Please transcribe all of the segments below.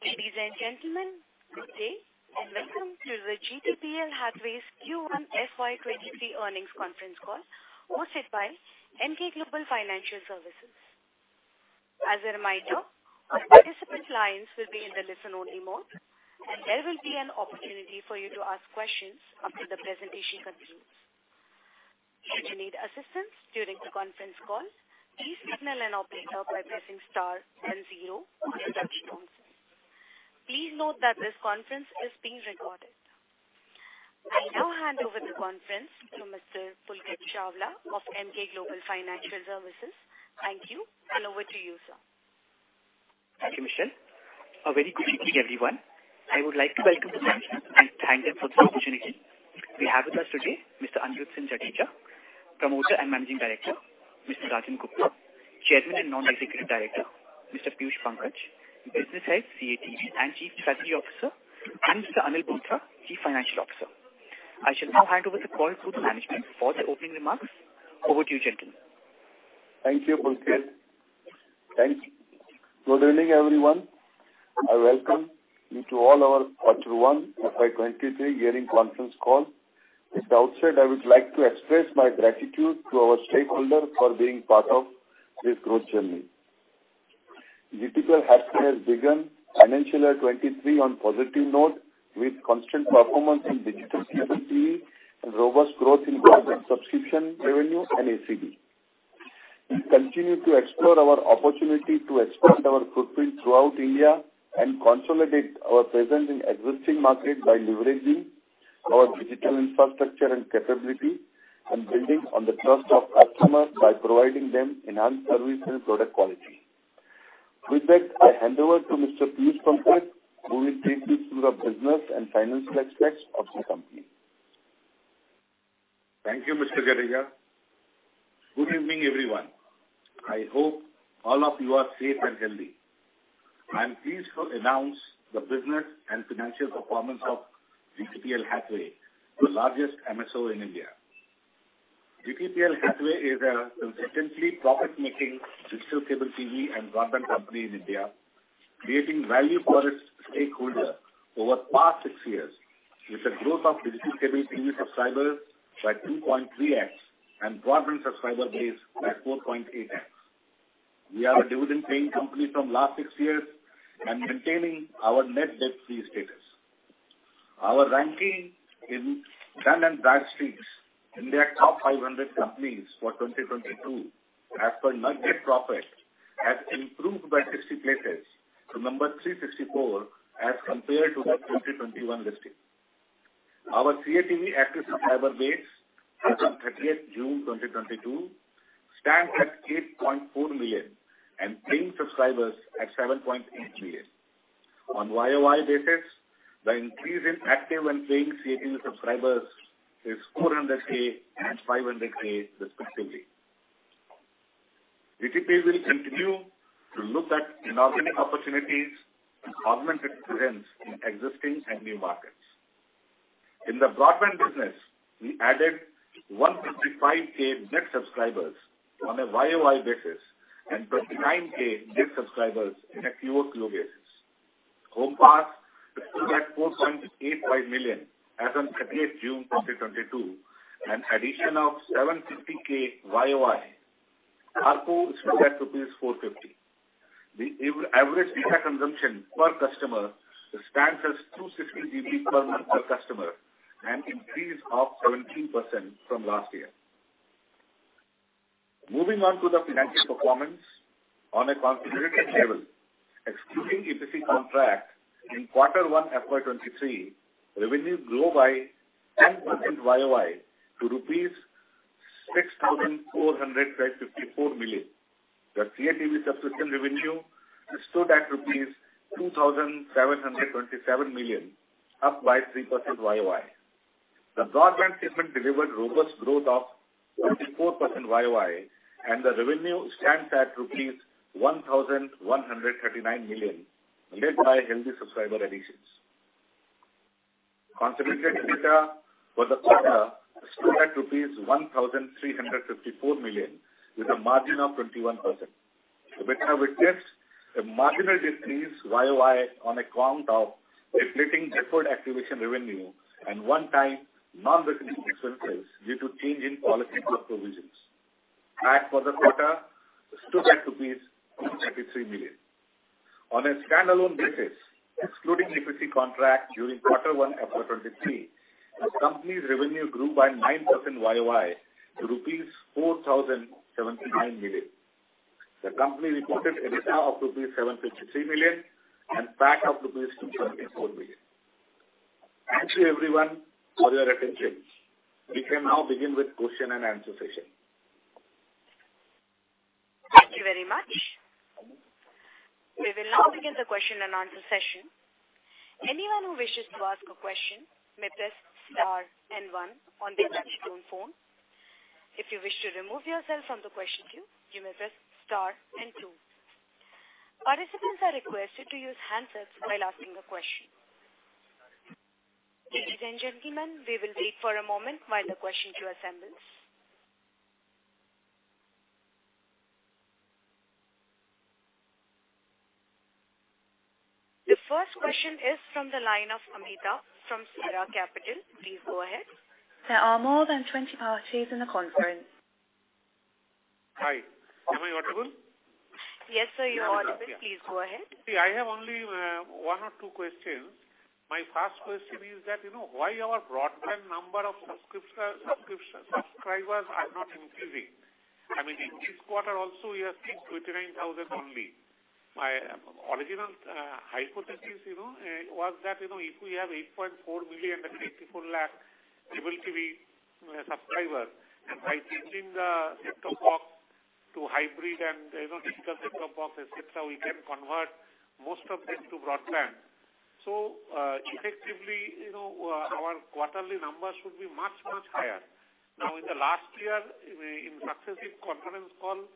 Ladies and gentlemen, good day and welcome to the GTPL Hathway's Q1 FY 2023 earnings conference call hosted by Emkay Global Financial Services. As a reminder, participant lines will be in the listen-only mode, and there will be an opportunity for you to ask questions after the presentation concludes. If you need assistance during the conference call, please signal an operator by pressing star then zero on your touchtone. Please note that this conference is being recorded. I now hand over the conference to Mr. Pulkit Chawla of Emkay Global Financial Services. Thank you and over to you, sir. Thank you, Michelle. A very good evening, everyone. I would like to welcome the management and thank them for this opportunity. We have with us today Mr. Anirudhsinh Jadeja, Promoter and Managing Director, Mr. Rajan Gupta, Chairman and Non-Executive Director, Mr. Piyush Pankaj, Business Head, CATV and Chief Strategy Officer, and Mr. Anil Bothra, Chief Financial Officer. I shall now hand over the call to the management for the opening remarks. Over to you, gentlemen. Thank you, Pulkit. Thanks. Good evening, everyone. I welcome you to our quarter one FY 2023 earnings conference call. At the outset, I would like to express my gratitude to our stakeholder for being part of this growth journey. GTPL Hathway has begun financial year 2023 on positive note with consistent performance in digital TV and robust growth in broadband subscription revenue and ACB. We continue to explore our opportunity to expand our footprint throughout India and consolidate our presence in existing market by leveraging our digital infrastructure and capability and building on the trust of customers by providing them enhanced service and product quality. With that, I hand over to Mr. Piyush Pankaj, who will take you through the business and financial aspects of the company. Thank you, Mr. Jadeja. Good evening, everyone. I hope all of you are safe and healthy. I am pleased to announce the business and financial performance of GTPL Hathway, the largest MSO in India. GTPL Hathway is a consistently profit-making digital cable TV and broadband company in India, creating value for its stakeholder over past six years with a growth of digital cable TV subscribers by 2.3x and broadband subscriber base by 4.8x. We are a dividend-paying company from last six years and maintaining our net debt-free status. Our ranking in Dun & Bradstreet's India's top 500 companies for 2022 as per net profit has improved by 60 places to number 364 as compared to the 2021 listing. Our CATV active subscriber base as of 30th June 2022 stands at 8.4 million and paying subscribers at 7.8 million. On YoY basis, the increase in active and paying CATV subscribers is 400,000 and 500,000, respectively. GTPL will continue to look at inorganic opportunities to augment its presence in existing and new markets. In the broadband business, we added 155,000 net subscribers on a YoY basis and 29,000 net subscribers on a QoQ basis. Home pass stood at 4.85 million as on 30th June 2022, an addition of 750,000 YoY. ARPU stood at INR 450. The average data consumption per customer stands at 260 GB per month per customer, an increase of 17% from last year. Moving on to the financial performance. On a consolidated level, excluding EPC contract, in quarter one FY 2023, revenue grew by 10% YoY to rupees 6,454 million. The CATV subscription revenue stood at rupees 2,727 million, up by 3% YoY. The broadband segment delivered robust growth of 24% YoY, and the revenue stands at rupees 1,139 million, led by healthy subscriber additions. Consolidated EBITDA for the quarter stood at rupees 1,354 million with a margin of 21%, which have witnessed a marginal decrease YoY on account of depleting deferred activation revenue and one-time non-recurring expenses due to change in policy of provisions. PAT for the quarter stood at rupees 433 million. On a standalone basis, excluding EPC contract, during quarter one FY 2023, the company's revenue grew by 9% YoY to rupees 4,079 million. The company reported EBITDA of rupees 753 million and CapEx of rupees 274 million. Thank you everyone for your attention. We can now begin with question and answer session. Thank you very much. We will now begin the question and answer session. Anyone who wishes to ask a question may press star then one on their touchtone phone. If you wish to remove yourself from the question queue, you may press star then two. Participants are requested to use handsets while asking a question. Ladies and gentlemen, we will wait for a moment while the question queue assembles. The first question is from the line of [Amita] from Sera Capital. Please go ahead. There are more than 20 parties in the conference. Hi. Am I audible? Yes, sir. You are audible. Please go ahead. See, I have only one or two questions. My first question is that, you know, why our broadband number of subscribers are not increasing. I mean, in this quarter also we have seen 29,000 only. My original hypothesis, you know, was that, you know, if we have 8.4 million, that is 84 lakh cable TV subscribers and by changing the set-top box to hybrid and, you know, digital set-top box, et cetera, we can convert most of them to broadband. So, effectively, you know, our quarterly numbers should be much, much higher. Now in the last year, in successive conference calls,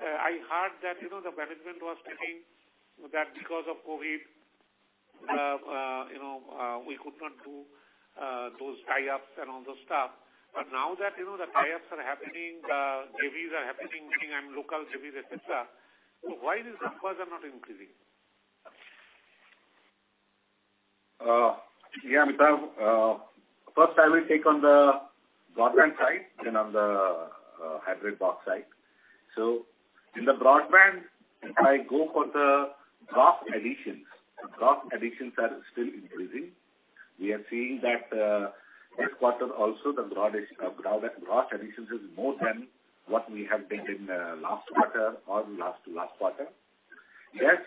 I heard that, you know, the management was telling that because of COVID, we could not do those tie-ups and all those stuff. Now that, you know, the tie-ups are happening, the JVs are happening, and local JVs, et cetera, so why these numbers are not increasing? Yeah, Amita. First I will take on the broadband side, then on the hybrid box side. In the broadband, if I go for the gross additions, gross additions are still increasing. We are seeing that this quarter also the broad additions is more than what we have taken last quarter or last to last quarter. Yes,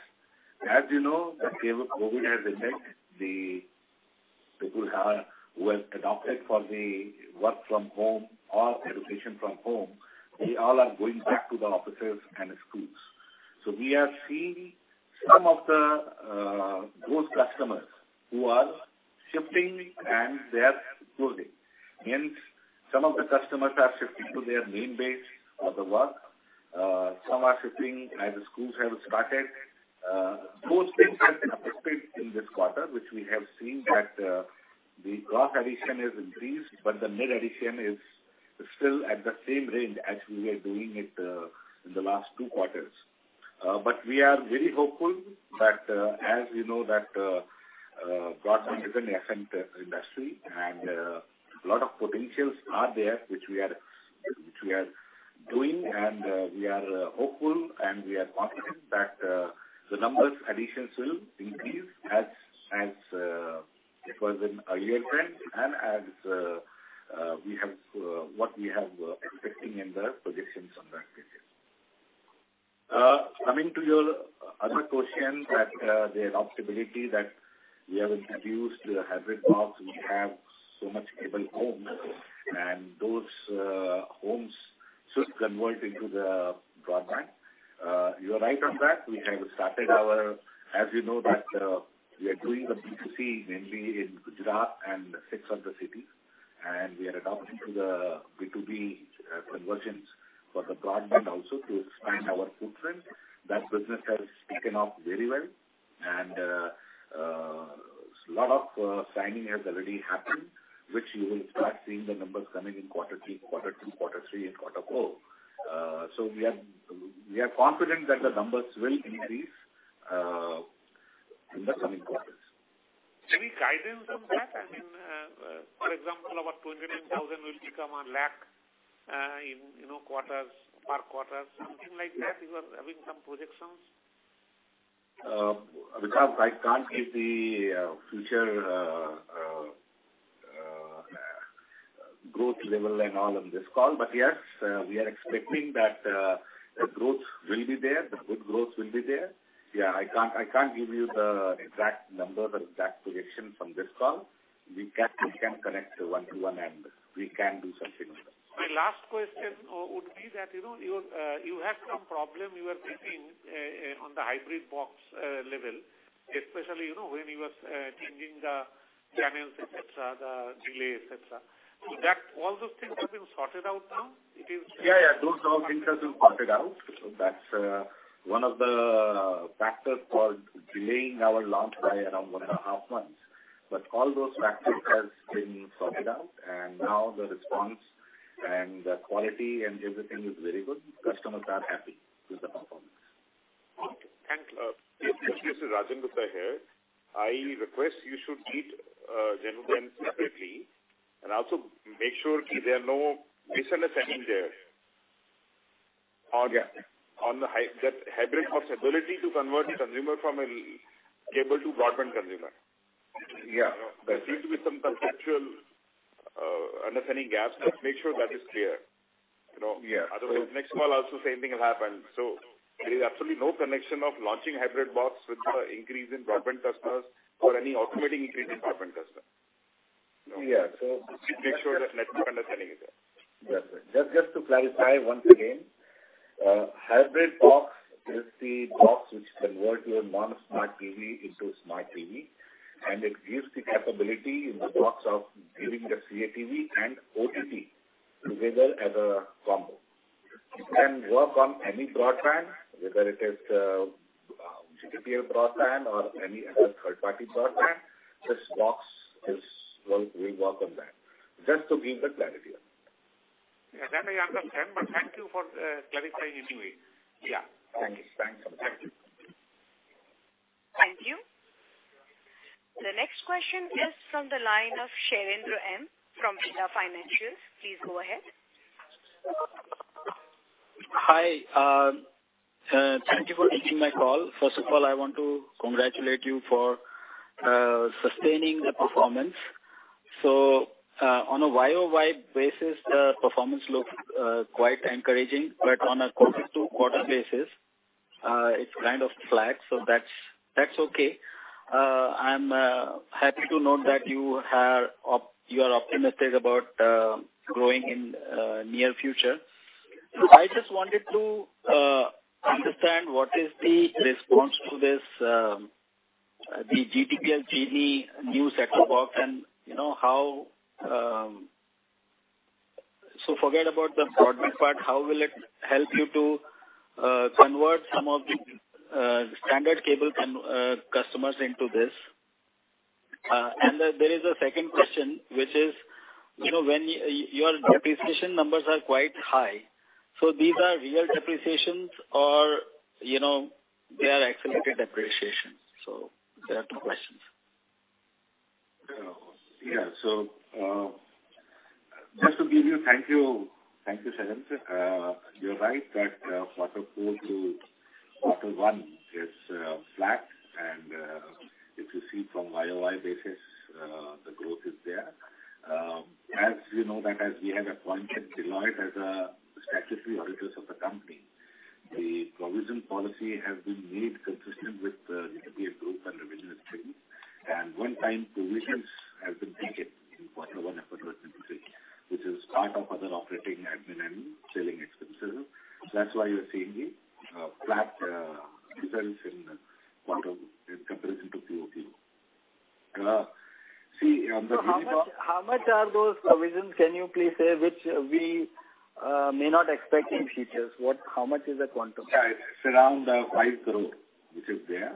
as you know, the COVID has affected the people who have adopted for the work from home or education from home, they all are going back to the offices and schools. We are seeing some of those customers who are shifting and they are going. Hence, some of the customers are shifting to their main base for the work. Some are shifting as the schools have started. Those things have been affected in this quarter, which we have seen that the gross addition has increased, but the net addition is still at the same range as we were doing it in the last two quarters. We are very hopeful that as we know that broadband is a nascent industry and a lot of potential is there, which we are doing, and we are hopeful and we are confident that the numbers additions will increase as it was an earlier trend and as we have been expecting in the projections on that basis. Coming to your other question that, the adaptability that we have introduced to the hybrid box, we have so much cable homes, and those homes should convert into the broadband. You are right on that. We have started as you know that we are doing the B2C mainly in Gujarat and six other cities, and we are adopting to the B2B conversions for the broadband also to expand our footprint. That business has taken off very well. Lot of signing has already happened, which you will start seeing the numbers coming in quarter two, quarter three, and quarter four. So we are confident that the numbers will increase in the coming quarters. Any guidance on that? I mean, for example, our 29,000 will become a lakh in, you know, quarters, per quarters, something like that. You are having some projections? Because I can't give the future growth level and all on this call. Yes, we are expecting that the growth will be there. The good growth will be there. Yeah, I can't give you the exact number, the exact projection from this call. We can connect one to one, and we can do something with that. My last question would be that, you know, you had some problem you were facing on the hybrid box level, especially, you know, when you were changing the channels, et cetera, the delay, et cetera. That all those things have been sorted out now? Yeah, yeah. Those all things have been sorted out. That's one of the factors for delaying our launch by around one and a half months. All those factors has been sorted out, and now the response and the quality and everything is very good. Customers are happy with the performance. Okay. This is Rajan Gupta here. I request you should meet gentlemen separately and also make sure there are no misunderstanding there on. Yeah. On that hybrid box ability to convert consumer from a cable to broadband consumer. Yeah. There seems to be some conceptual understanding gaps. Let's make sure that is clear. You know? Yeah. Otherwise, next call also same thing will happen. There is absolutely no connection of launching hybrid box with the increase in broadband customers or any automatic increase in broadband customers. Yeah. Make sure that network understanding is there. That's it. Just to clarify once again, hybrid box is the box which convert your non-smart TV into a smart TV, and it gives the capability in the box of giving the CATV and OTT together as a combo. It can work on any broadband, whether it is GTPL broadband or any other third-party broadband, this box will work on that. Just to give the clarity. Yeah, that I understand, but thank you for clarifying anyway. Yeah. Thank you. Thanks. Thank you. Thank you. The next question is from the line of Shailendra M. from Veba Financials. Please go ahead. Hi. Thank you for taking my call. First of all, I want to congratulate you for sustaining the performance. On a YoY basis, the performance looks quite encouraging, but on a quarter-over-quarter basis, it's kind of flat. That's okay. I'm happy to note that you are optimistic about growing in near future. I just wanted to understand what is the response to this, GTPL Genie new set-top box and you know, how, forget about the broadband part, how will it help you to convert some of the standard cable customers into this? And there is a second question which is, you know, when your depreciation numbers are quite high, so these are real depreciations or, you know, they are accelerated depreciation? There are two questions. Thank you, Shailendra. You're right that quarter four to quarter one is flat and if you see from YoY basis, the growth is there. As you know that as we have appointed Deloitte as the statutory auditors of the company, the provision policy has been made consistent with GTPL group and revenue streams. One-time provisions have been taken in quarter one of 2023, which is part of other operating admin and selling expenses. That's why you are seeing the flat results in quarter in comparison to QoQ. How much are those provisions? Can you please say? Which we may not expect in futures. How much is the quantum? Yeah. It's around 5 crore which is there.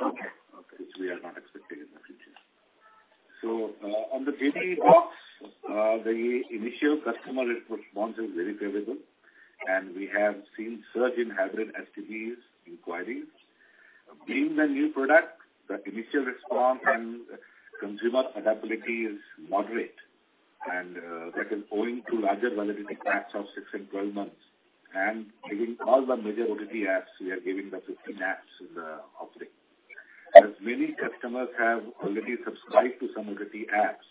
Okay. Which we are not expecting in the future. On the Genie box, the initial customer response is very favorable, and we have seen surge in hybrid STB inquiries. Being a new product, the initial response and consumer adaptability is moderate, and that is owing to larger validity packs of six and 12 months. Giving all the major OTT apps, we are giving the 15 apps in the offering. As many customers have already subscribed to some OTT apps,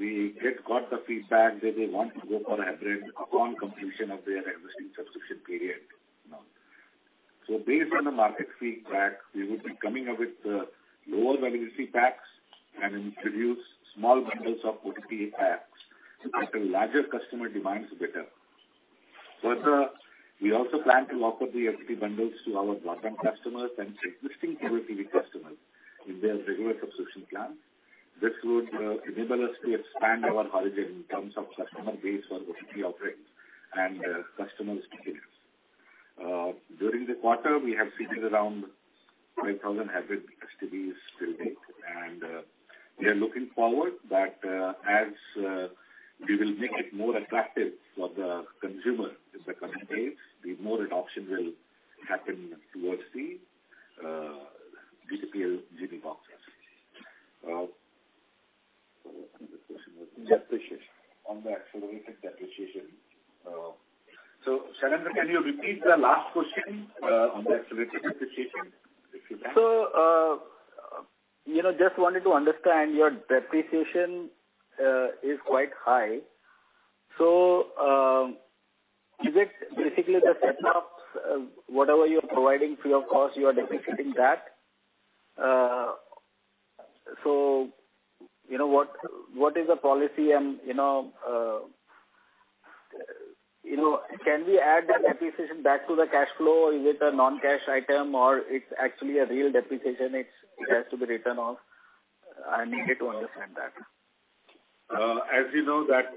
we just got the feedback that they want to go for hybrid upon completion of their existing subscription period now. Based on the market feedback, we would be coming up with lower validity packs and introduce small bundles of OTT apps to cater larger customer demands better. Further, we also plan to offer the OTT bundles to our broadband customers and existing cable TV customers in their regular subscription plan. This would enable us to expand our horizon in terms of customer base for OTT offering and customer stickiness. During the quarter, we have seeded around 5,000 hybrid STBs till date, and we are looking forward that as we will make it more attractive for the consumer in the coming days, the more adoption will happen towards the GTPL Genie boxes. What was the other question? Depreciation. On the accelerated depreciation. Shailendra, can you repeat the last question on the accelerated depreciation, if you can? You know, just wanted to understand, your depreciation is quite high. Is it basically the set-tops, whatever you're providing for your cost, you are depreciating that? You know, what is the policy and, you know, can we add that depreciation back to the cash flow? Is it a non-cash item or it's actually a real depreciation, it has to be written off? I needed to understand that. As you know that,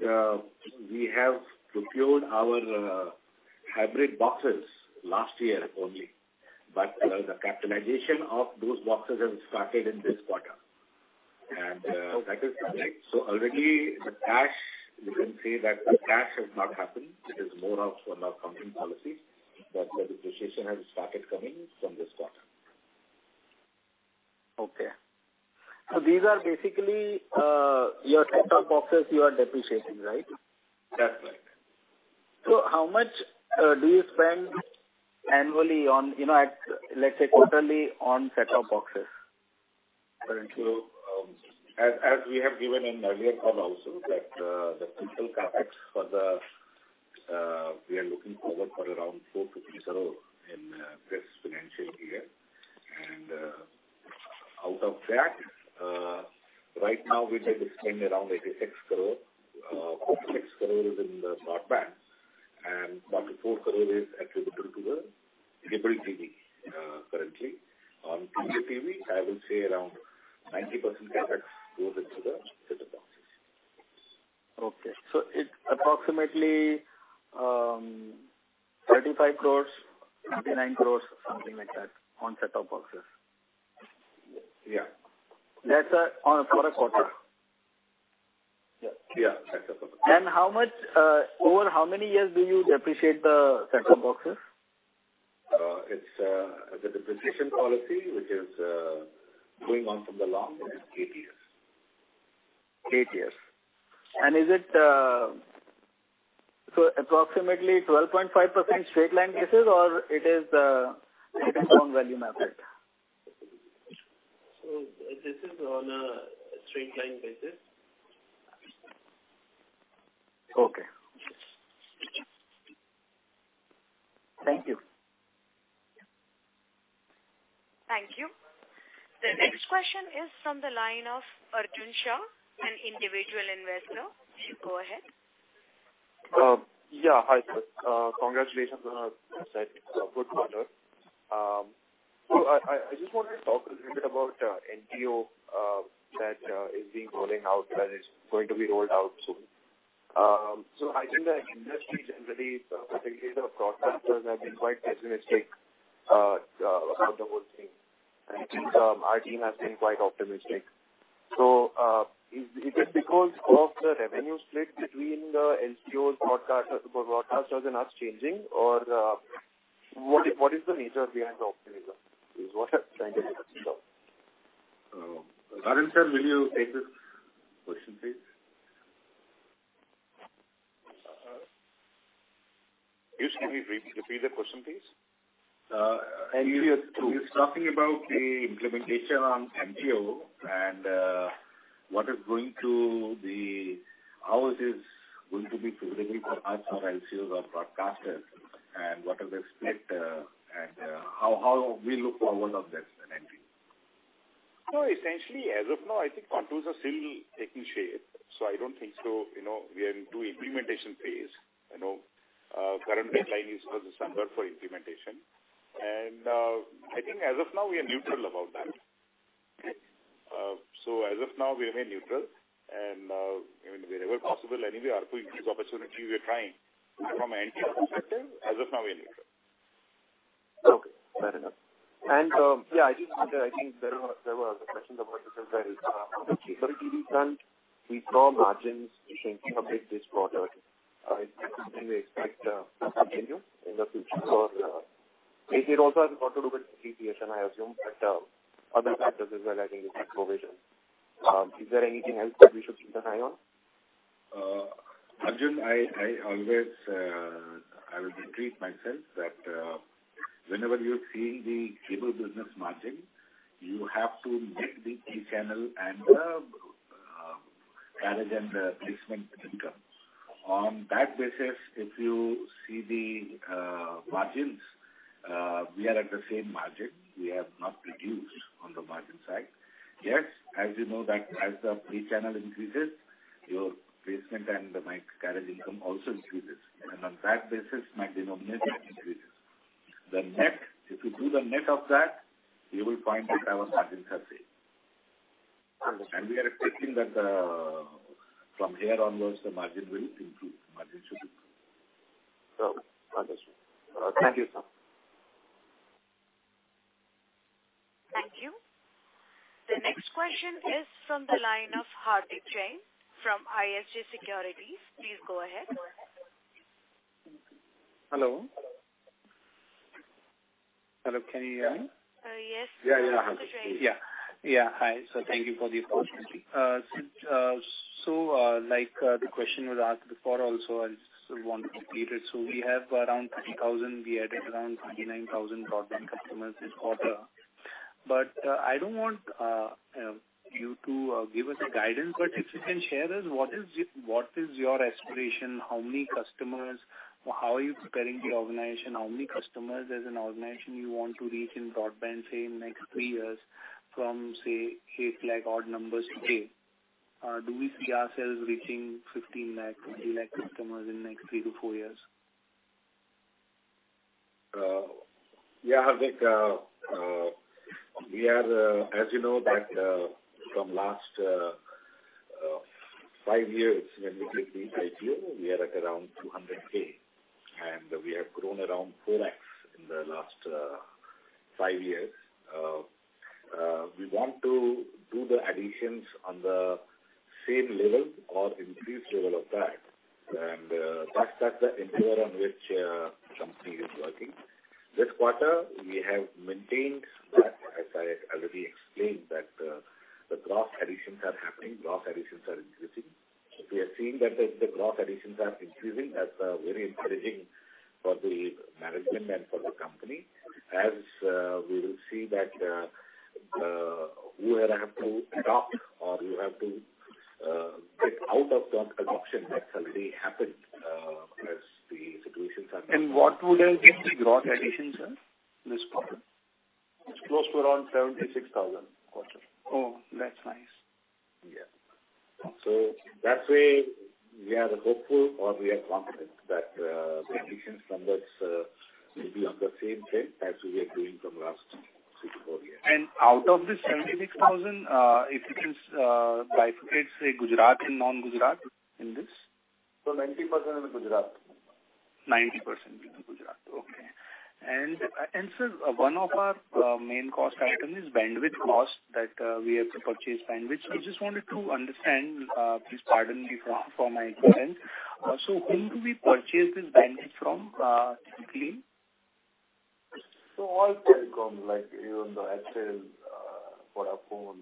we have procured our hybrid boxes last year only, but the capitalization of those boxes have started in this quarter. That is correct. Already the cash, you can say that the cash has not happened. It is more of an accounting policy that the depreciation has started coming from this quarter. Okay. These are basically your set-top boxes you are depreciating, right? That's right. How much do you spend annually on, you know, let's say quarterly on set-top boxes? Currently, as we have given in earlier call also that, the total CapEx, we are looking forward for around 450 crore in this financial year. Out of that, right now we may be spending around 86 crore. 46 crore is in the broadband and 44 crore is attributable to the cable TV, currently. On cable TV, I will say around 90% CapEx goes into the set-top box. Okay. It's approximately 35 crore, 39 crore, something like that on set-top boxes? Yeah. That's on for the quarter. Yeah. That's for the quarter. Over how many years do you depreciate the set-top boxes? As a depreciation policy, which is going on from the long, it is eight years. Eight years. Is it approximately 12.5% straight line basis or is it based on volume output? This is on a straight-line basis. Okay. Thank you. Thank you. The next question is from the line of Arjun Shah, an individual investor. Please go ahead. Yeah. Hi, sir. Congratulations on a good quarter. I just wanted to talk a little bit about NTO that is going to be rolled out soon. I think the industry generally, particularly the broadcasters have been quite pessimistic about the whole thing, and I think our team has been quite optimistic. Is it because of the revenue split between the LCO broadcasters and us changing or what is the nature behind the optimism, is what I'm trying to get at, sir. Rajan, sir, will you take this question, please? Can you repeat the question, please? Uh. He's talking about the implementation on LCO and what is going to be. How is this going to be favorable for us or MSOs or broadcasters and what is the split and how we look forward of this as GTPL. No, essentially, as of now, I think contours are still taking shape, so I don't think so. You know, we are into implementation phase. You know, current deadline is for December for implementation. I think as of now we are neutral about that. As of now we remain neutral and you know, wherever possible, anyway ARPU increase opportunity we are trying. From an NTO perspective, as of now we are neutral. Okay. Fair enough. I think there were questions about this as well. On the cable TV front, we saw margins shrinking a bit this quarter. Do you expect this to continue in the future or is it also got to do with depreciation, I assume, but other factors as well I think you took provision? Is there anything else that we should keep an eye on? Arjun, I always remind myself that whenever you're seeing the cable business margin, you have to net the pay channel and the carriage and the placement income. On that basis, if you see the margins, we are at the same margin. We have not reduced on the margin side. Yes, as you know that as the pay channel increases, our placement and our carriage income also increases. On that basis our denominator increases. The net, if you do the net of that, you will find that our margins are same. Understood. We are expecting that, from here onwards the margin will improve. Margin should improve. Understood. Thank you, sir. Thank you. The next question is from the line of Hardik Jain from ISJ Securities. Please go ahead. Hello. Hello, can you hear me? Yes. Yeah, yeah. Hardik Jain. Yeah. Hi. Thank you for the opportunity. Like, the question was asked before also, I just want to repeat it. We have around 30,000, we added around 39,000 broadband customers this quarter. I don't want you to give us a guidance, but if you can share this, what is your aspiration? How many customers? How are you preparing the organization? How many customers as an organization you want to reach in broadband, say in next three years from, say, 8 lakh odd numbers today? Do we see ourselves reaching 15 lakh, 20 lakh customers in next three to four years? Yeah, Hardik, we are, as you know that, from last five years when we did the IPO, we are at around 200,000, and we have grown around 4x in the last five years. We want to do the additions on the same level or increased level of that. That's the endeavor on which company is working. This quarter, we have maintained that, as I already explained, that the gross additions are happening. Gross additions are increasing. We are seeing that the gross additions are increasing. That's very encouraging for the management and for the company as we will see that where I have to adopt or you have to get out of that adoption that's already happened as the situations are. What would have been the gross additions, sir, this quarter? It's close to around 76,000 quarter. Oh, that's nice. Yeah. That way we are hopeful or we are confident that the additions numbers will be on the same trend as we are doing from last year. Out of this 76,000, if you can bifurcate, say, Gujarat and non-Gujarat in this. 90% in Gujarat. 90% in Gujarat. Okay. Sir, one of our main cost item is bandwidth cost that we have to purchase bandwidth. I just wanted to understand, please pardon me for my ignorance. So whom do we purchase this bandwidth from, typically? All telecom like even the Airtel, Vodafone,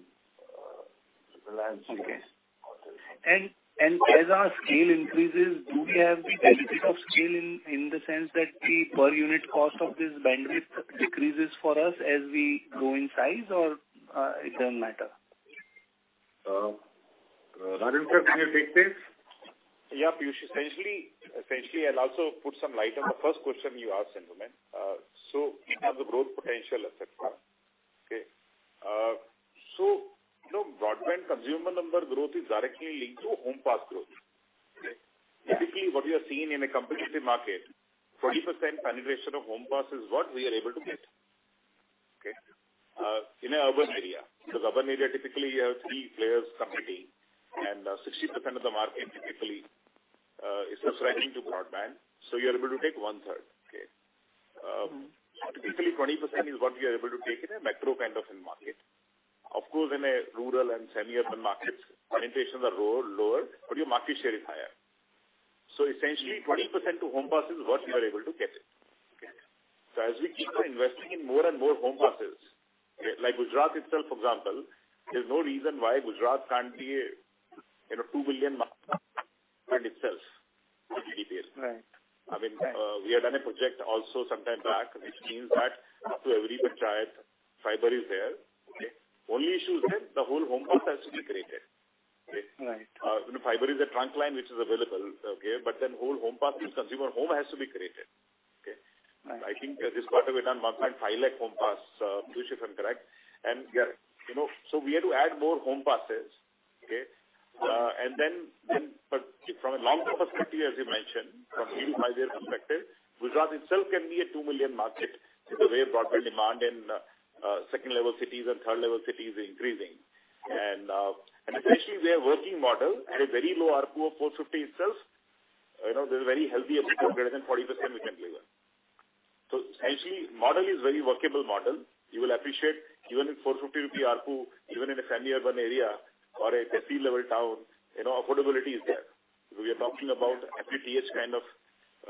Reliance. Okay. Jio. As our scale increases, do we have the benefit of scale in the sense that the per unit cost of this bandwidth decreases for us as we grow in size or it doesn't matter? Rajan, sir, can you take this? Yeah, Piyush. Essentially, I'll also put some light on the first question you asked, gentleman. In terms of growth potential aspect. You know, broadband consumer number growth is directly linked to home pass growth. Okay. Typically, what we are seeing in a competitive market, 20% penetration of home pass is what we are able to get. Okay. In an urban area. Because urban area typically you have three players competing, and, 60% of the market typically, is subscribing to broadband, so you're able to take 1/3. Typically 20% is what we are able to take in a metro kind of market. Of course, in a rural and semi-urban markets, penetrations are lower, but your market share is higher. Essentially 20% to home passes is what we are able to get. Okay. As we keep on investing in more and more home passes, like Gujarat itself, for example, there's no reason why Gujarat can't be in a 2 million market by itself on broadband basis. Right. I mean, we have done a project also some time back, which means that up to every panchayat, fiber is there. Okay. Only issue is that the whole home pass has to be created. Okay. Right. You know, fiber is a trunk line which is available, okay. But then whole home pass means consumer home has to be created. Okay. Right. I think this quarter we've done 1.5 lakh home passes, Piyush, if I'm correct. You know, we have to add more home passes. From a long-term perspective, as you mentioned, from a three to five year perspective, Gujarat itself can be a 2 million market because the way broadband demand in second level cities and third level cities is increasing. Essentially we are working model at a very low ARPU of 450 itself. You know, there's a very healthy EBITDA of greater than 40% we can deliver. Essentially model is very workable model. You will appreciate even in 450 rupee ARPU, even in a semi-urban area or a C-level town, you know, affordability is there. We are talking about FTTH kind of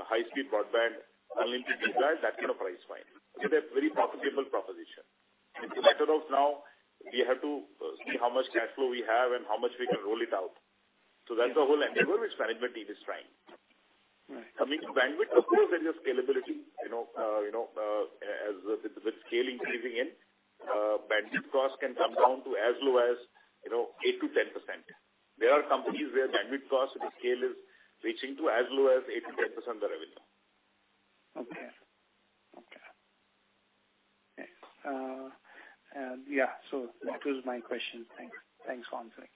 high-speed broadband, unlimited data, that kind of price point. It is a very profitable proposition. It's a matter of now we have to see how much cash flow we have and how much we can roll it out. That's the whole endeavor which management team is trying. Right. Coming to bandwidth, of course, there's a scalability. You know, as with scale increasing in, bandwidth cost can come down to as low as, you know, 8%-10%. There are companies where bandwidth cost with scale is reaching to as low as 8%-10% the revenue. Okay. Yeah, that was my question. Thanks for answering.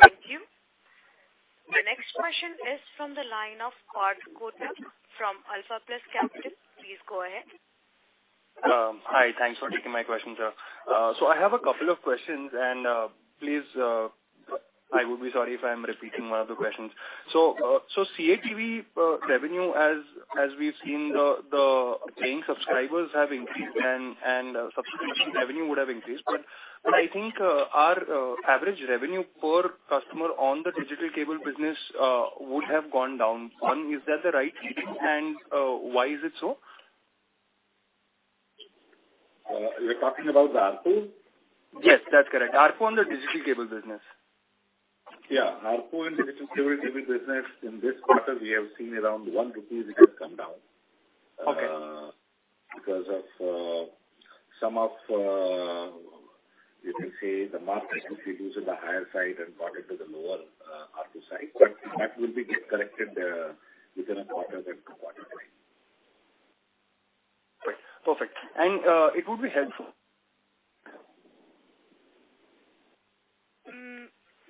Thank you. The next question is from the line of Parth Kotak from Alpha Plus Capital. Please go ahead. Hi. Thanks for taking my question, sir. I have a couple of questions, and please, I would be sorry if I'm repeating one of the questions. CATV revenue, as we've seen the paying subscribers have increased and subscription revenue would have increased. I think our average revenue per customer on the digital cable business would have gone down. One, is that the right reading, and why is it so? You're talking about the ARPU? Yes, that's correct. ARPU on the digital cable business. Yeah. ARPU in digital cable business in this quarter we have seen around 1 rupee it has come down. Okay. Because of some of, you can say the market is reducing the higher side and brought it to the lower ARPU side. That will be get corrected within a quarter or two quarters. Right. Perfect. It would be helpful.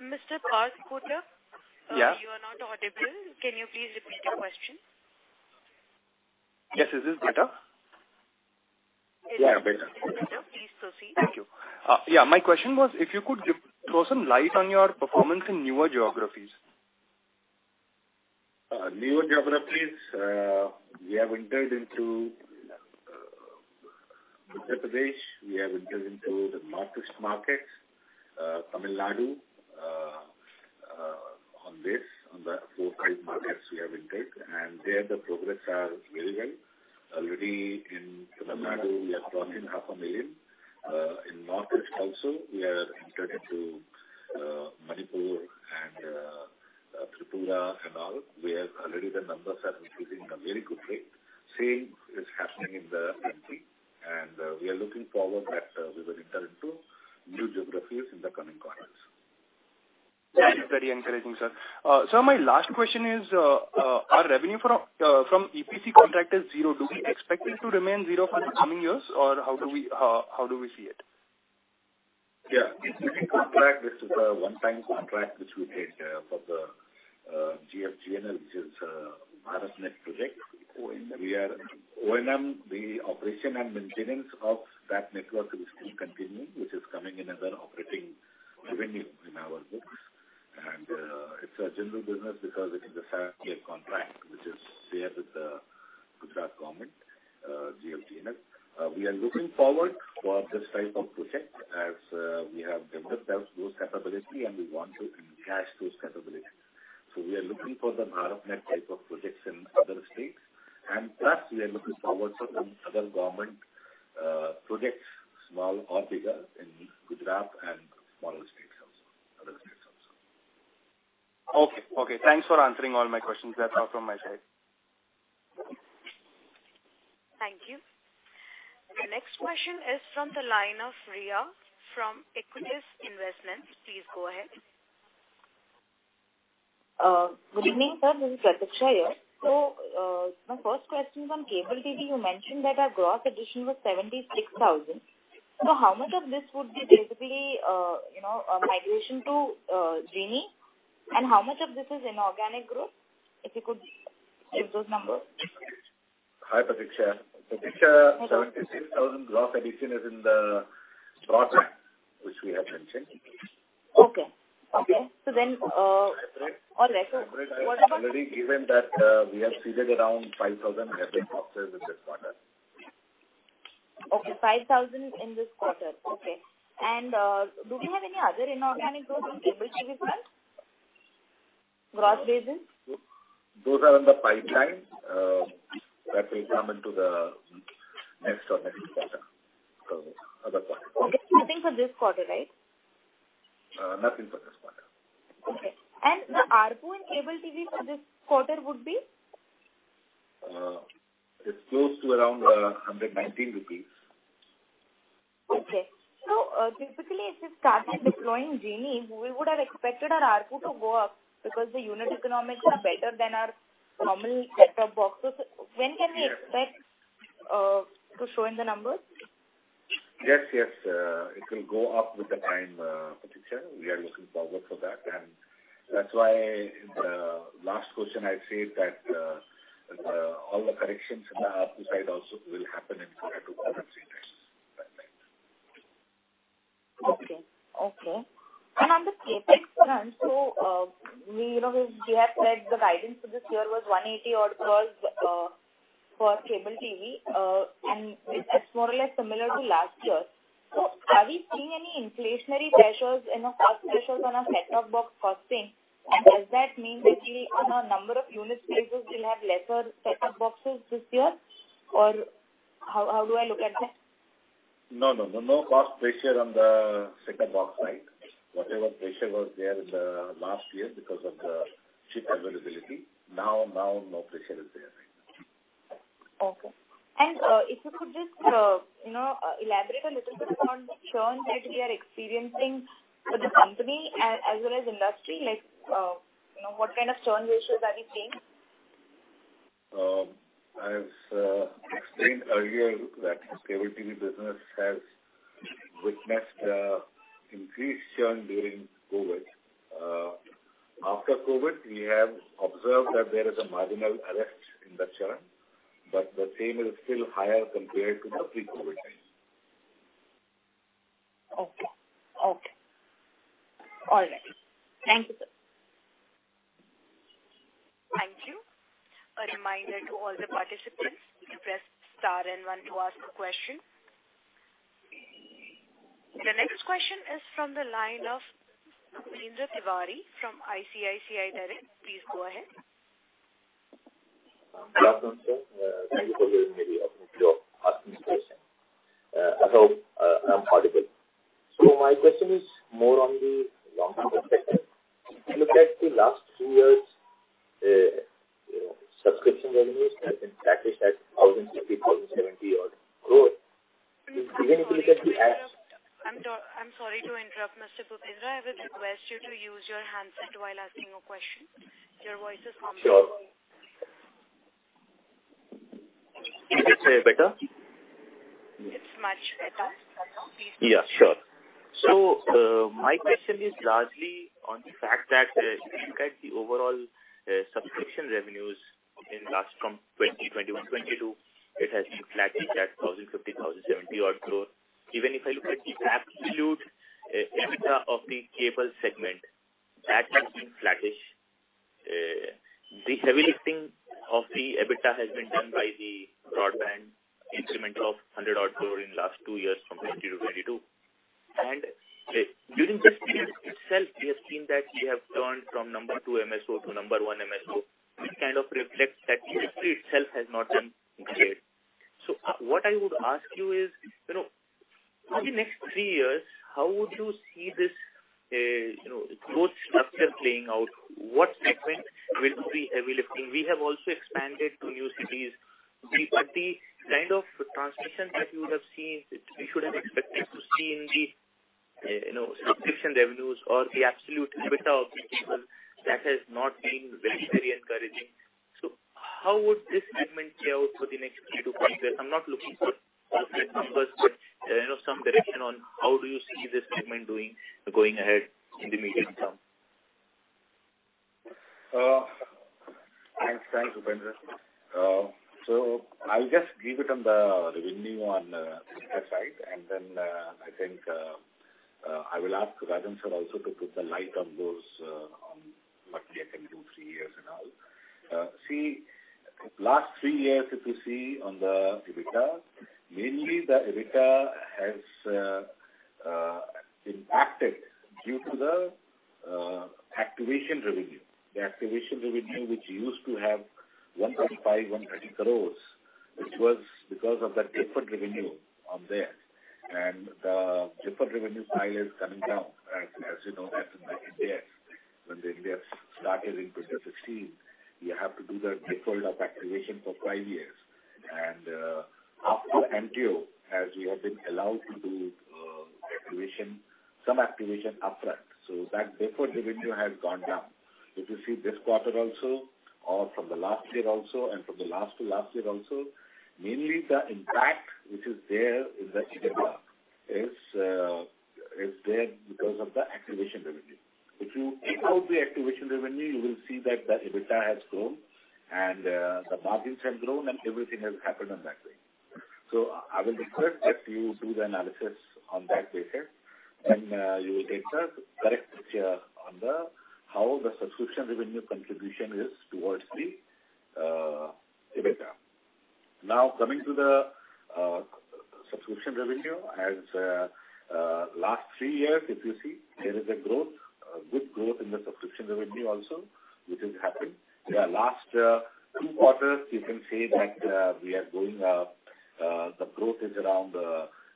Mr. Parth Kotak? Yeah. You are not audible. Can you please repeat your question? Yes. Is this better? Yeah, better. It's better. Please proceed. Thank you. Yeah, my question was if you could throw some light on your performance in newer geographies. In newer geographies, we have entered into Madhya Pradesh, we have entered into the Northeast markets, Tamil Nadu. In the four or five markets we have entered, and there the progress are very well. Already in Tamil Nadu we have crossed half a million. In Northeast also we are entered into Manipur and Tripura and all, where already the numbers are increasing at a very good rate. Same is happening in the MP, and we are looking forward that we will enter into new geographies in the coming quarters. That is very encouraging, sir. Sir, my last question is, our revenue from EPC contract is zero. Do we expect it to remain zero for the coming years, or how do we see it? Yeah, this is a one-time contract which we did for the GFGNL, which is BharatNet project. O&M. We are O&M. The operation and maintenance of that network is still continuing, which is coming in as our operating revenue in our books. It's a general business because it is a seven-year contract which is shared with the Gujarat government, GFGNL. We are looking forward for this type of project as we have developed those capability and we want to enhance those capabilities. We are looking for the BharatNet type of projects in other states. Plus we are looking forward to other government projects, small or bigger, in Gujarat and smaller states also, other states also. Okay. Thanks for answering all my questions. That's all from my side. Thank you. The next question is from the line of Riya from Aequitas Investments. Please go ahead. Good evening, sir. This is Pratiksha here. My first question is on cable TV. You mentioned that our gross addition was 76,000. How much of this would be basically, you know, a migration to Genie? And how much of this is inorganic growth? If you could give those numbers. Hi, Pratiksha. Pratiksha, 76,000 gross addition is in the broadband which we have mentioned. Okay. All right, so what about? I've already given that, we have seeded around 5,000 hybrid boxes in this quarter. Okay, 5,000 in this quarter. Okay. Do we have any other inorganic growth in cable TV front? Gross basis. Those are in the pipeline. That will come into the next quarter. Other quarter. Okay. Nothing for this quarter, right? Nothing for this quarter. Okay. The ARPU in cable TV for this quarter would be? It's close to around 119 rupees. Typically since you started deploying Genie, we would have expected our ARPU to go up because the unit economics are better than our normal set-top boxes. When can we expect to show in the numbers? Yes, yes. It will go up with the time, Pratiksha. We are looking forward for that. That's why in the last question I said that all the corrections in the upside also will happen in quarter two onwards, yes. That's right. Okay. On the CapEx front, you know, we have said the guidance for this year was 180-odd crore for cable TV. It's more or less similar to last year. Are we seeing any inflationary pressures in the cost pressures on our set-top box costing? Does that mean that we on our number of unit sales, we'll have lesser set-top boxes this year? Or how do I look at that? No. No cost pressure on the set-top box side. Whatever pressure was there in the last year because of the chip availability, now no pressure is there right now. Okay. If you could just, you know, elaborate a little bit on the churn that we are experiencing for the company as well as industry like, you know, what kind of churn ratios are we seeing? As explained earlier that cable TV business has witnessed increased churn during COVID. After COVID, we have observed that there is a marginal arrest in that churn, but the same is still higher compared to the pre-COVID times. Okay. All right. Thank you, sir. Thank you. A reminder to all the participants, you can press star and one to ask a question. The next question is from the line of Bhupendra Tiwary from ICICI Direct. Please go ahead. Good afternoon, sir. Thank you for giving me the opportunity of asking this question. I hope I'm audible. My question is more on the long-term perspective. If you look at the last two years, you know, subscription revenues has been flattish at 1,050 crore, 1,070-odd crore. Even if you look at the apps. I'm sorry to interrupt, Mr. Bhupendra. I would request you to use your handset while asking your question. Your voice is not being. Sure. Is it better? It's much better. Please proceed. Yeah, sure. My question is largely on the fact that if you look at the overall subscription revenues in last from 2021, 2022, it has been flattish at 1,050-1,070-odd crore. Even if I look at the absolute EBITDA of the cable segment, that has been flattish. The heavy lifting of the EBITDA has been done by the broadband increment of 100-odd crore in last two years from 2020 to 2022. During this period itself, we have seen that you have gone from number two MSO to number one MSO, which kind of reflects that the industry itself has not been great. What I would ask you is, you know, for the next three years, how would you see this, you know, growth structure playing out? What segment will be heavy lifting? We have also expanded to new cities. The kind of transmission that you would have seen, we should have expected to see in the subscription revenues or the absolute EBITDA of the cable that has not been very, very encouraging. How would this segment play out for the next three to five years? I'm not looking for perfect numbers, but some direction on how do you see this segment doing going ahead in the medium term. Thanks. Thanks, Bhupendra. So I'll just give it on the revenue on EBITDA side. Then I think I will ask Rajan, sir, also to put the light on those on what we can do three years and all. See, last three years if you see on the EBITDA, mainly the EBITDA has impacted due to the activation revenue. The activation revenue which used to have 125 crore, 130 crore, which was because of the deferred revenue on there. The deferred revenue pile is coming down. Right. As you know, that's in the Ind-AS. When the Ind-AS started in 2016, you have to do the deferral of activation for five years. After NTO, as we have been allowed to do activation, some activation upfront, so that deferred revenue has gone down. If you see this quarter also or from the last year also and from the last to last year also, mainly the impact which is there in the EBITDA is there because of the activation revenue. If you take out the activation revenue, you will see that the EBITDA has grown and the margins have grown and everything has happened on that way. I will request if you do the analysis on that basis, then you will get the correct picture on how the subscription revenue contribution is towards the EBITDA. Now, coming to the subscription revenue, over the last three years, if you see, there is a growth, a good growth in the subscription revenue also which has happened. The last two quarters you can say that we are going up. The growth is around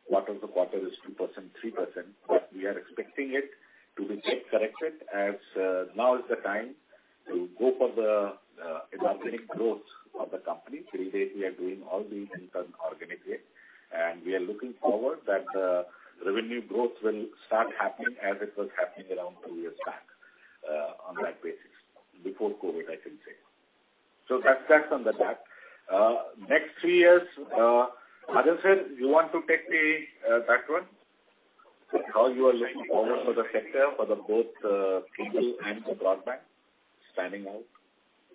quarter-to-quarter 2%, 3%. We are expecting it to get corrected as now is the time to go for the inorganic growth of the company. Till date we are doing all these things organically, and we are looking forward that the revenue growth will start happening as it was happening around two years back, on that basis, before COVID, I can say. That's on the back. Next three years, Rajan sir, you want to take that one? How you are looking forward for the sector, for the both cable and the broadband standing out.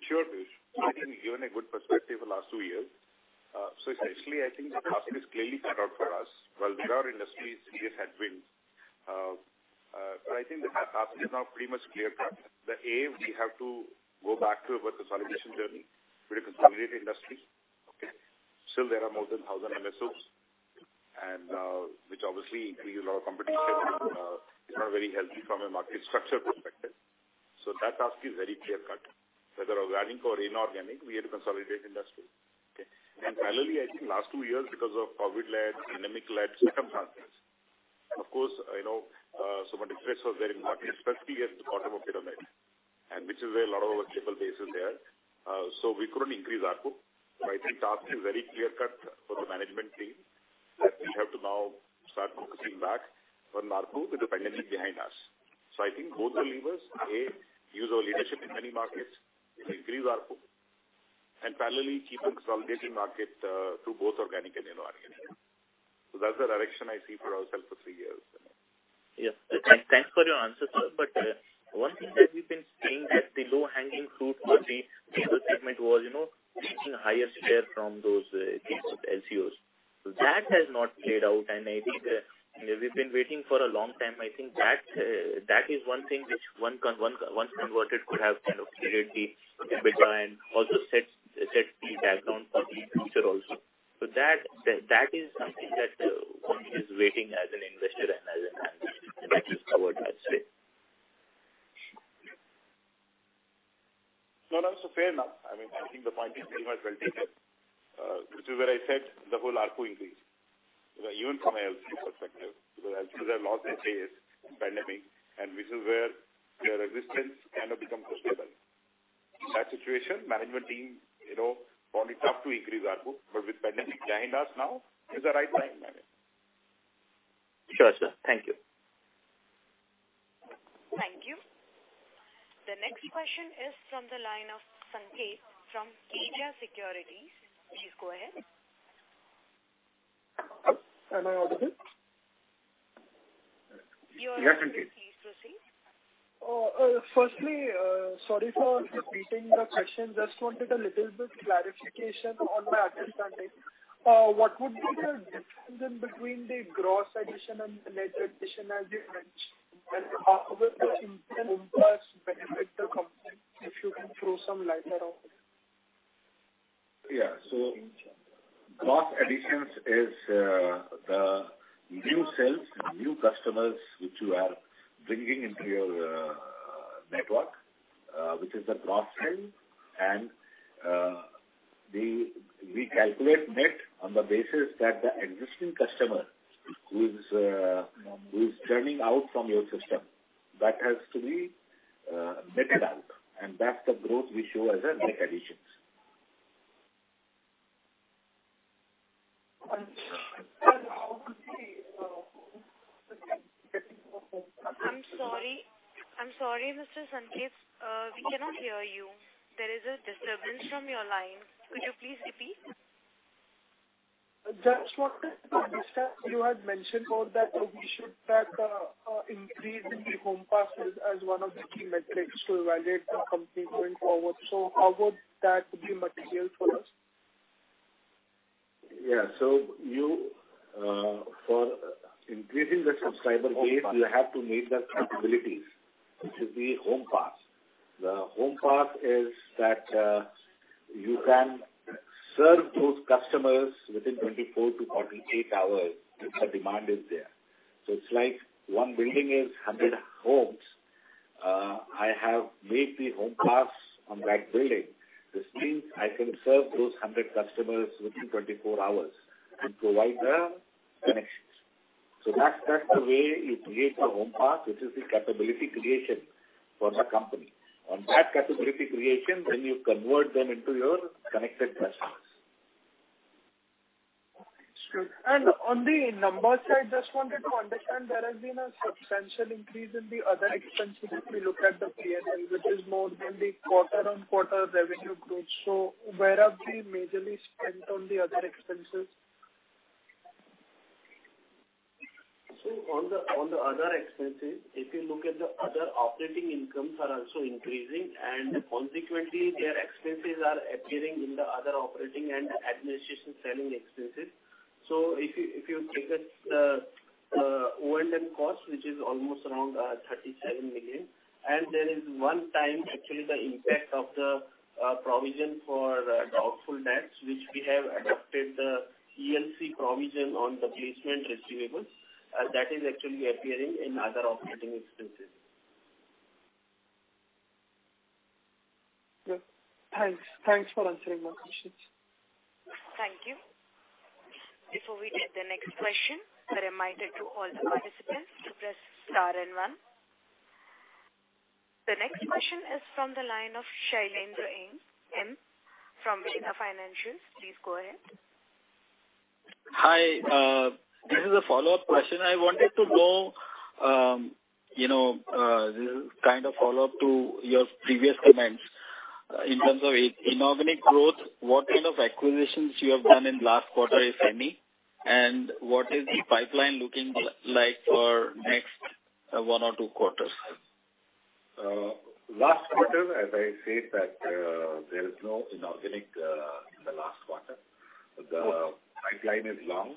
Sure, Piyush. I think you've given a good perspective the last two years. Essentially I think the task is clearly cut out for us. While with our industry serious headwinds, I think the task is now pretty much clear cut. We have to go back to what the consolidation journey with a consolidated industry. Okay. Still there are more than 1,000 MSOs and, which obviously increase a lot of competition. It's not very healthy from a market structure perspective. That task is very clear cut. Whether organic or inorganic, we have to consolidate industry. Okay. Finally, I think last two years because of COVID-led, pandemic-led circumstances, of course, you know, so much interest was there in the market, especially at the bottom of the pyramid, and which is where a lot of our cable base is there. We couldn't increase ARPU. I think task is very clear cut for the management team that we have to now start focusing back on ARPU with the pandemic behind us. I think both the levers, A, use our leadership in many markets to increase ARPU and parallelly keep on consolidating market through both organic and inorganic. That's the direction I see for ourself for three years. Yeah. Thanks for your answer, sir. One thing that we've been seeing that the low-hanging fruit for the cable segment was, you know, taking higher share from those LCOs. That has not played out. I think we've been waiting for a long time. I think that is one thing which one conversion could have kind of cleared the EBITDA and also set the background for the future also. That is something that one is waiting as an investor and as an analyst that covers, let's say. No, no. Fair enough. I mean, I think the point is pretty much well-taken. Which is where I said the whole ARPU increase. You know, even from a LCO perspective, because LCOs have lost subs in pandemic, and which is where their existence kind of become questionable. In that situation, management team, you know, found it tough to increase ARPU. With pandemic behind us now, it's the right time. Sure, sir. Thank you. Thank you. The next question is from the line of Sanket from Kedia Securities. Please go ahead. Am I audible? You're audible. Please proceed. Firstly, sorry for repeating the question. Just wanted a little bit clarification on my understanding. What would be the difference in between the gross addition and the net addition as you mentioned? And how will the home pass benefit the company, if you can throw some light around it. Gross additions is the new sales, new customers which you are bringing into your network, which is the gross sale. We calculate net on the basis that the existing customer who is churning out from your system, that has to be netted out, and that's the growth we show as a net additions. I'm sorry. I'm sorry, Mr. Sanket. We cannot hear you. There is a disturbance from your line. Could you please repeat? Just what you had mentioned about that we should track increase in the home pass as one of the key metrics to evaluate the company going forward. How would that be material for us? For increasing the subscriber base, you have to meet the capabilities, which is the home pass. The home pass is that you can serve those customers within 24-48 hours if the demand is there. It's like one building is 100 homes. I have made the home pass on that building. This means I can serve those 100 customers within 24 hours and provide the connections. That's the way you create the home pass. This is the capability creation for the company. On that capability creation, you convert them into your connected customers. Sure. On the numbers, I just wanted to understand there has been a substantial increase in the other expenses if you look at the P&L, which is more than the quarter-on-quarter revenue growth. Where are we majorly spent on the other expenses? On the other expenses, if you look at the other operating incomes, they are also increasing, and consequently their expenses are appearing in the other operating and administration selling expenses. If you take O&M costs, which is almost around 37 million, and there is one-time actually the impact of the provision for doubtful debts, which we have adopted the ELC provision on the placement receivables. That is actually appearing in other operating expenses. Good. Thanks. Thanks for answering my questions. Thank you. Before we take the next question, a reminder to all the participants to press star and one. The next question is from the line of Shailendra M. from Veba Financials. Please go ahead. Hi. This is a follow-up question. I wanted to know, you know, this is kind of follow-up to your previous comments. In terms of inorganic growth, what kind of acquisitions you have done in last quarter, if any, and what is the pipeline looking like for next one or two quarters? Last quarter, as I said that, there is no inorganic in the last quarter. The pipeline is long.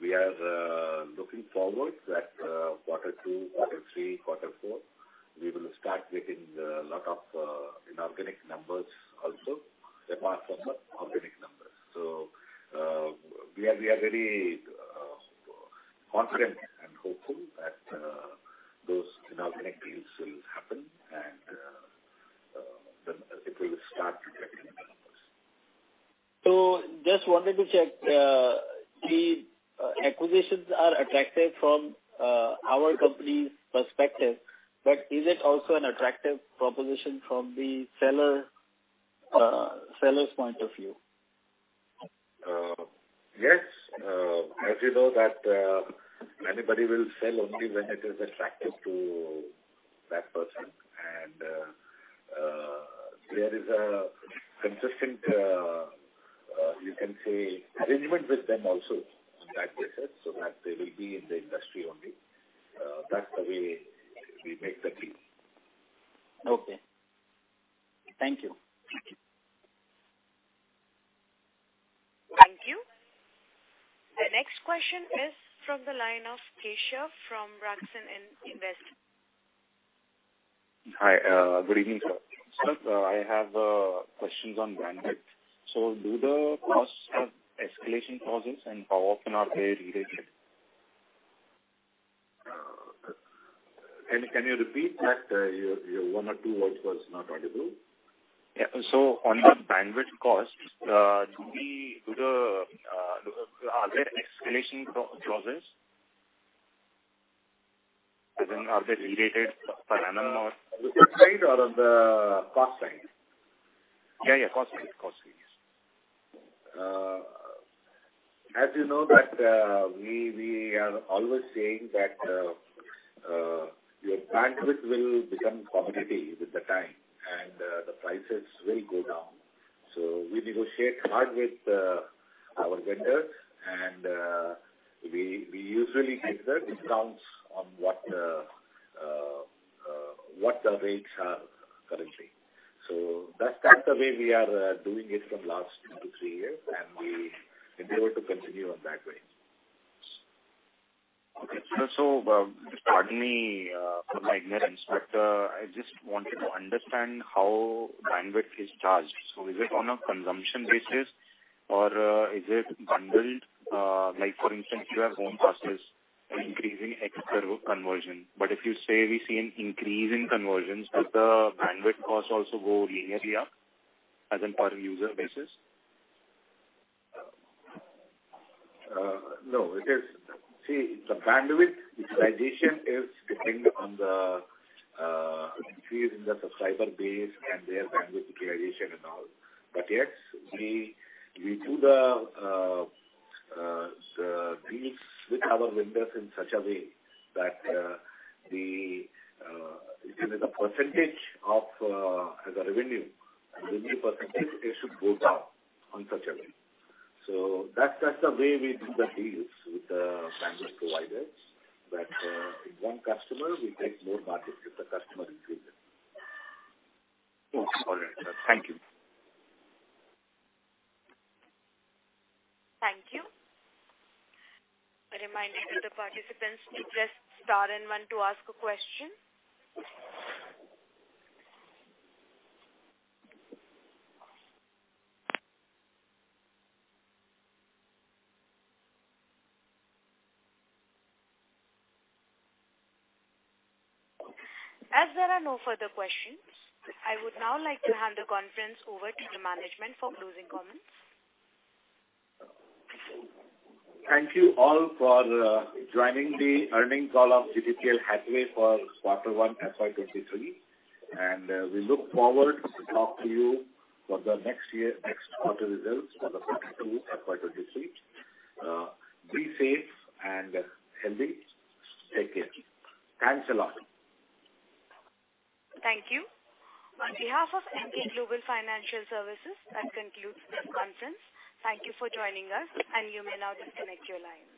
We are looking forward that quarter two, quarter three, quarter four, we will start getting lot of inorganic numbers also apart from the organic numbers. We are very confident and hopeful that those inorganic deals will happen and then it will start reflecting in the numbers. Just wanted to check, the acquisitions are attractive from our company's perspective, but is it also an attractive proposition from the seller's point of view? Yes. As you know that, anybody will sell only when it is attractive to that person. There is a consistent, you can say arrangement with them also on that basis so that they will be in the industry only. That's the way we make the deal. Okay. Thank you. Thank you. The next question is from the line of Keshav from RakSan Investors. Hi. Good evening, sir. Sir, I have questions on bandwidth. Do the costs have escalation clauses, and how often are they related? Can you repeat that? Your one or two words was not audible. Yeah. On your bandwidth costs, are there escalation clauses? Are they escalated per annum or? On the cost side? Yeah. Cost side. Yes. As you know that, we are always saying that, your bandwidth will become commodity with the time and, the prices will go down. We negotiate hard with our vendors and, we usually get the discounts on what the rates are currently. That's the way we are doing it from last two to three years and we endeavor to continue on that way. Okay. Pardon me for my ignorance, but I just wanted to understand how bandwidth is charged. Is it on a consumption basis or is it bundled? Like, for instance, you have home passes increasing X conversion. If you say we see an increase in conversions, does the bandwidth costs also go linearly up as in per user basis? No, it is. See, the bandwidth utilization is dependent on the increase in the subscriber base and their bandwidth utilization and all. Yes, we do the deals with our vendors in such a way that it is the percentage, as a revenue percentage, it should go down in such a way. That's the way we do the deals with the bandwidth providers that, if one customer, we take more margin if the customer increases. All right, sir. Thank you. Thank you. A reminder to the participants to press star and one to ask a question. As there are no further questions, I would now like to hand the conference over to the management for closing comments. Thank you all for joining the earnings call of GTPL Hathway for quarter one FY 2023, and we look forward to talk to you for the next year, next quarter results for the quarter two FY 2023. Be safe and healthy. Take care. Thanks a lot. Thank you. On behalf of Emkay Global Financial Services, that concludes this conference. Thank you for joining us, and you may now disconnect your lines.